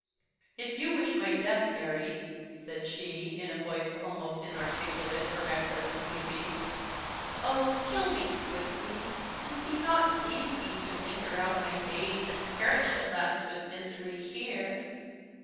"If you wish my death, Harry," said she, in a voice almost inarticulate from excess of weeping, "oh! kill me quickly, and do not leave me to linger out my days, and perish at last with misery here."